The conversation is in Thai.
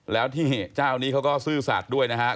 แล้วที่เจ้านี้เขาก็ซื่อสัตว์ด้วยนะครับ